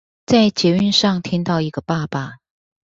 在捷運上聽到一個爸爸